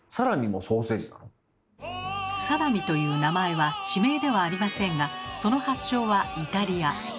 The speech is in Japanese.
サラミという名前は地名ではありませんがその発祥はイタリア。